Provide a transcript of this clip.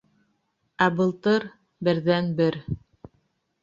Ә былтыр... берҙән-бер...